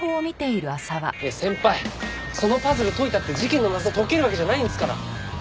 いや先輩そのパズル解いたって事件の謎解けるわけじゃないんですから。